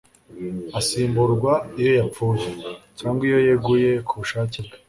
asimburwa iyo yapfuye cyangwa iyo yeguye ku bushake bwe